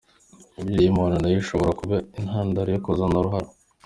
Imirire y’umuntu nayo ishobora kuba intandaro yo kuzana uruhara.